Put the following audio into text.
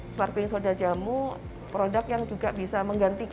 smartpink soda jamu produk yang juga bisa menggantikan